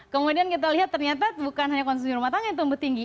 kemudian kita lihat ternyata bukan hanya konsumsi rumah tangga yang tumbuh tinggi